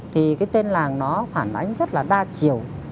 thì cái tên làng nó phản ánh rất là đa chiều